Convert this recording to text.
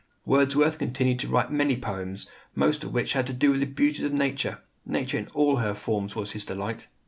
Wordsworth continued to write many poems, most of which had to do with the beauties of nature. Nature in all her forms was his delight.